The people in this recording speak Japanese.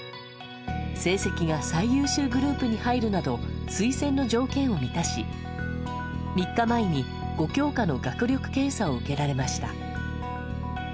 成績が最優秀グループに入るなど推薦の条件を満たし、３日前に５教科の学力検査を受けられました。